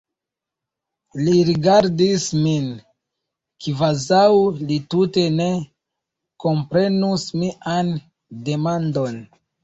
Li rigardis min, kvazaŭ li tute ne komprenus mian demandon.